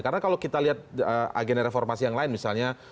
karena kalau kita lihat agenda reformasi yang lain misalnya